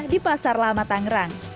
di pasar lama tanggerang